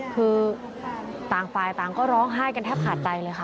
คือต่างฝ่ายต่างก็ร้องไห้กันแทบขาดใจเลยค่ะ